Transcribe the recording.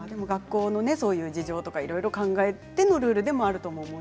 学校の事情も考えてのルールでもあると思います。